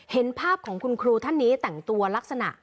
เห็นภาพของคุณครูท่านนี้แต่งตัวลักษณะ